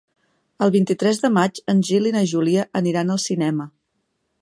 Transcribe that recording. El vint-i-tres de maig en Gil i na Júlia aniran al cinema.